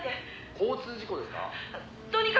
「交通事故ですか？」